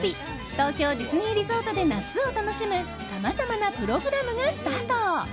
東京ディズニーリゾートで夏を楽しむさまざまなプログラムがスタート。